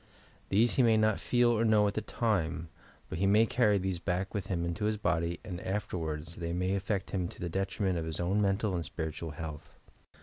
These he may not feel or know at the time, but he may carry these back with him into his body and afterwards they may affect him to the detriment of his own mental and spirit ual health.